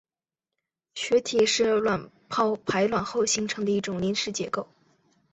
血体是卵泡排卵后形成的一种临时结构。